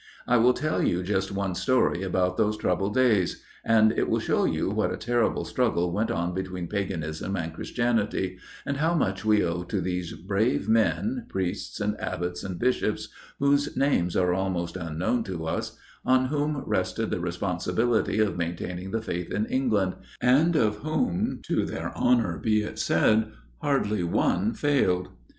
I will tell you just one story about those troubled days, and it will show you what a terrible struggle went on between Paganism and Christianity, and how much we owe to these brave men, priests, and Abbots, and Bishops, whose names are almost unknown to us, on whom rested the responsibility of maintaining the Faith in England, and of whom, to their honour be it said, hardly one failed.